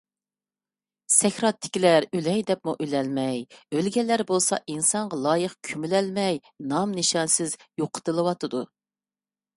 سەكراتتىكىلەر ئۆلەي دەپمۇ ئۆلەلمەي، ئۆلگەنلەر بولسا، ئىنسانغا لايىق كۆمۈلەلمەي نام - نىشانسىز يوقىتىلىۋاتىدۇ.